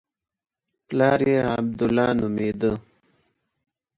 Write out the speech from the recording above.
پلار یې عبدالله نومېده.